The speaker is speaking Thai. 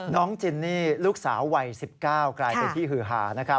น้องจินนี่ลูกสาววัย๑๙กลายเป็นที่ฮือฮา